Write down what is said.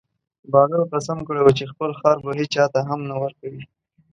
بهلول قسم کړی و چې خپل خر به هېچا ته هم نه ورکوي.